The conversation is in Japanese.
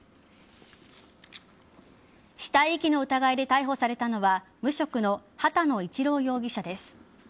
死体遺棄の疑いで逮捕されたのは無職の波多野市朗容疑者です。